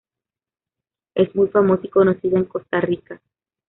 Es muy famosa y conocida en Costa Rica.